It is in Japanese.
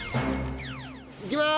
いきます！